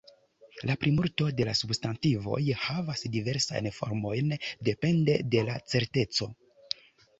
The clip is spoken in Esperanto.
La plimulto de la substantivoj havas diversajn formojn, depende de la "certeco".